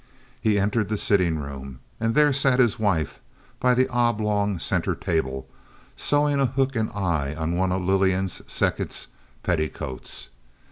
He entered the sitting room, and there sat his wife by the oblong center table, sewing a hook and eye on one of Lillian, second's, petticoats.